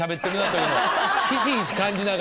ひしひし感じながら。